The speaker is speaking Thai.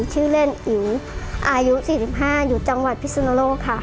ชื่อเล่นอิ๋วอายุ๔๕อยู่จังหวัดพิสุนโลกค่ะ